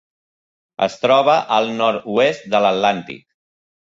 Es troba al nord-oest de l'Atlàntic.